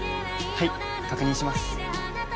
はい確認します